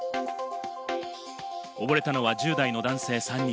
溺れたのは１０代の男性３人。